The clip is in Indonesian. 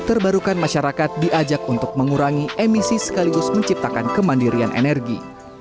terbarukan masyarakat diajak untuk mengurangi emisi sekaligus menciptakan kemandirian energi